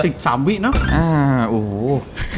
แต่คงไม่๑๓วินิที่แหร่งนะ